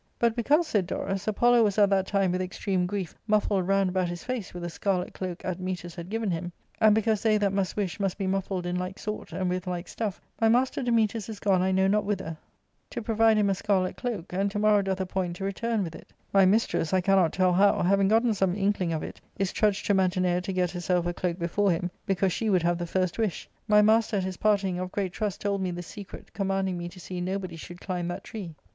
" But because," said Dorus, " Apollo was at that time with extreme grief muffled round about his face with a scarlet cloak Admetus had given him, and because they that must wish must be muffled in like sort and with like stuff, my master Dametas is gone I know not whither to provide him * Stood— ue.^ placed at a little distance. 400 ARCADIA.—Book III. a scarlet cloak, and to morrow doth appoint to return with it My mistress, I cannot tell how, having gotten some inkling of it, is trudged to Mantinea to get herself a cloak before him, because she would have the first wish. My master at his parting of great trust told me this secret, commanding me to see nobody should climb that tree.